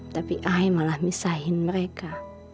tapi ai malah misahin mereka